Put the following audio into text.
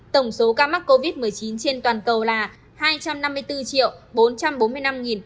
tổng số ca mắc covid một mươi chín trên toàn cầu là hai trăm năm mươi bốn bốn trăm bốn mươi năm một trăm linh bảy